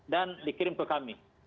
dan dikirim ke kami